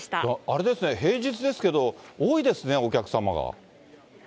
あれですね、平日ですけど、多いですね、お客様が。